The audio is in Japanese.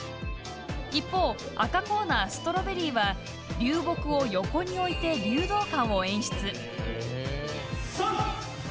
一方、赤コーナー「Ｓｔｒａｗｂｅｒｒｙ」は流木を横に置いて流動感を演出。